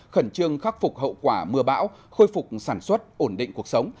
khẩn trương khắc phục hậu quả mưa bão khôi phục sản xuất ổn định cuộc sống